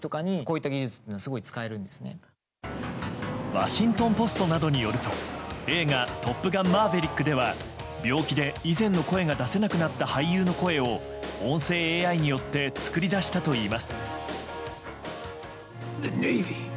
ワシントン・ポストなどによると映画「トップガンマーヴェリック」では病気で以前の声が出せなくなった俳優の声を音声ＡＩによって作り出したといいます。